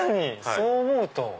そう思うと。